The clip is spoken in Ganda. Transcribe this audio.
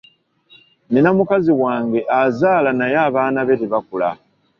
Nina mukazi wange wange azaala naye abaana be tebakula.